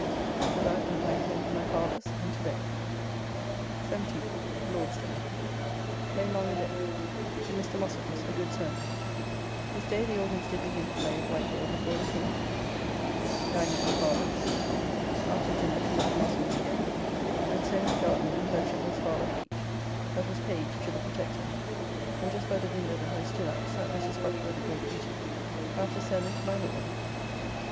After that at night home to my father's and to bed. 17th (Lord's day). Lay long abed. To Mr. Mossum's; a good sermon. This day the organs did begin to play at White Hall before the King. [All organs were removed from churches by an ordinance dated 1644.] Dined at my father's. After dinner to Mr. Mossum's again, and so in the garden, and heard Chippell's father preach, that was Page to the Protector, and just by the window that I stood at sat Mrs. Butler, the great beauty. After sermon to my Lord.